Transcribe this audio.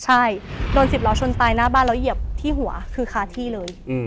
ใช่โดน๑๐ล้อชนตายหน้าบ้านแล้วเหยียบที่หัวคือคาที่เลย